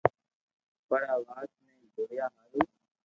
پر آ وات ني جوڻيا ھارون